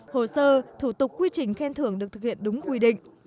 hồ sơ thủ tục quy trình khen thưởng được thực hiện đúng quy định